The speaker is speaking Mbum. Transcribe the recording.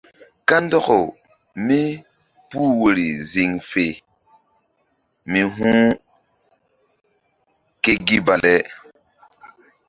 Kandɔkaw mípuh woyri ziŋ fe mí hu̧h ke gi bale.